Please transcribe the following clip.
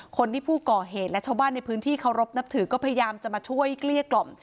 คนที่ผู้ก่อเหตุและชาวบ้านในพื้นที่เคารพนับถือก็พยายามจะมาช่วยเกลี้ยกล่อม